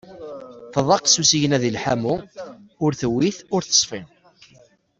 Tḍaq s usigna d leḥmu, ur twit ur teṣfi.